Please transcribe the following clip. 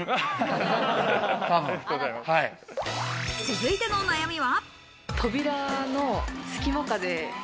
続いての悩みは？